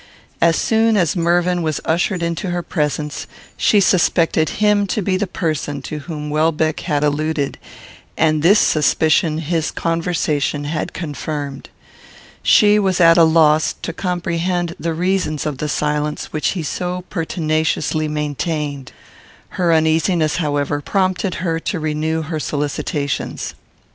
As soon as Mervyn was ushered into her presence, she suspected him to be the person to whom Welbeck had alluded, and this suspicion his conversation had confirmed. She was at a loss to comprehend the reasons of the silence which he so pertinaciously maintained. Her uneasiness, however, prompted her to renew her solicitations.